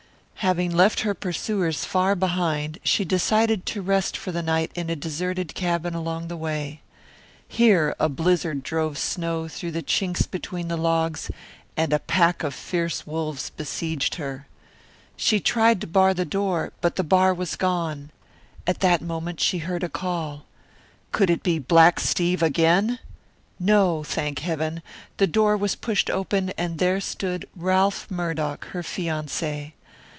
Having left her pursuers far behind, she decided to rest for the night in a deserted cabin along the way. Here a blizzard drove snow through the chinks between the logs, and a pack of fierce wolves besieged her. She tried to bar the door, but the bar was gone. At that moment she heard a call. Could it be Black Steve again? No, thank heaven! The door was pushed open and there stood Ralph Murdock, her fiance.